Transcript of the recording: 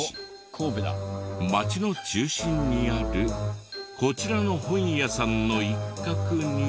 街の中心にあるこちらの本屋さんの一角に。